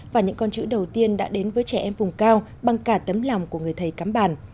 và những con chữ đầu tiên đã đến với trẻ em vùng cao bằng cả tấm lòng của người thầy cắm bàn